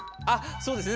そうですね